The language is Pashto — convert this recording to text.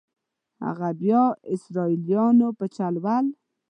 هغه بیا اسرائیلیانو په چل ول.